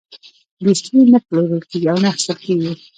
دوستي نه پلورل کېږي او نه اخیستل کېږي.